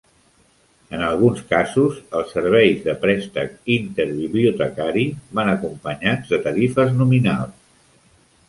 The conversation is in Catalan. En alguns casos, els serveis de préstec interbibliotecari van acompanyats de tarifes nominals.